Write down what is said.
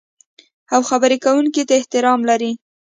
او خبرې کوونکي ته احترام لرئ.